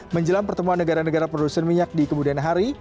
menjelang pertemuan negara negara produsen minyak di kemudian hari